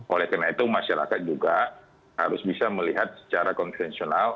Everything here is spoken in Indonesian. oleh karena itu masyarakat juga harus bisa melihat secara konvensional